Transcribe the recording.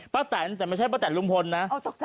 แตนแต่ไม่ใช่ป้าแตนลุงพลนะ